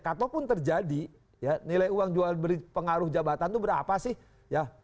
kalaupun terjadi ya nilai uang jualan beri pengaruh jabatan itu berapa sih ya